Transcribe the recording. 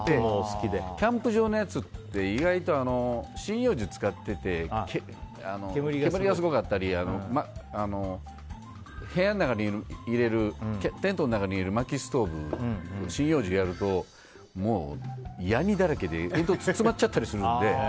キャンプ場のやつって意外と針葉樹を使ってて煙がすごかったり部屋の中に入れるテントの中に入れるまきストーブ、針葉樹やるとやにだらけで煙突が詰まっちゃったりするので。